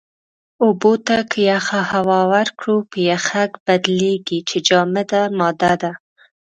اوبو ته که يخه هوا ورکړو، په يَخٔک بدلېږي چې جامده ماده ده.